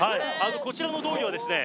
こちらの胴着はですね